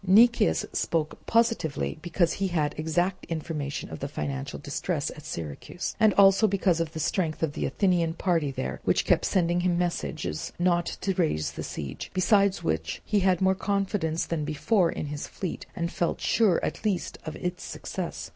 Nicias spoke positively because he had exact information of the financial distress at Syracuse, and also because of the strength of the Athenian party there which kept sending him messages not to raise the siege; besides which he had more confidence than before in his fleet, and felt sure at least of its success.